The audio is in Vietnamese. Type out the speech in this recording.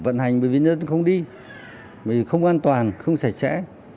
vận hành bởi vì chúng ta không đi không an toàn không sạch sẽ